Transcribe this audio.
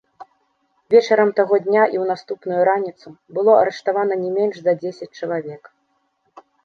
Вечарам таго дня і ў наступную раніцу было арыштавана не менш за дзесяць чалавек.